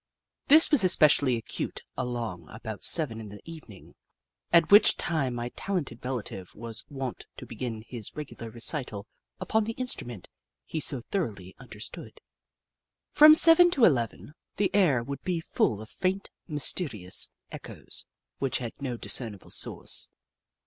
This was especially acute along about seven in the evening, at which time my talented relative was wont to begin his regular recital upon the instrument he so thoroughly under stood. From seven to eleven, the air would be full of faint, mysterious echoes which had no discernible source.